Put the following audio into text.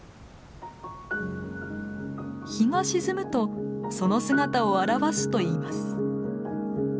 日が沈むとその姿を現すといいます。